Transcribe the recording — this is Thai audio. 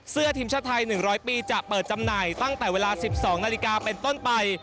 เสื้อผ้าทีมชาติไทย๑๐๐ปีจะเปิดจำหน่ายตั้งแต่เวลา๑๒นาฬิกาเป็นต้นไป